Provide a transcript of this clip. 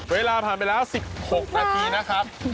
เวลาผ่านไปแล้ว๑๖นาทีนะครับ